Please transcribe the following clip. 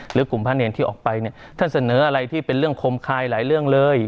หรือกลุ่มพระเนรที่ออกไปเนี่ยท่านเสนออะไรที่เป็นเรื่องคมคายหลายเรื่องเลย